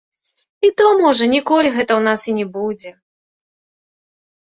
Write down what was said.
І то можа ніколі гэта ў нас і не будзе.